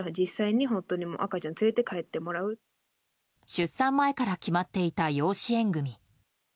出産前から決まっていた養子縁組。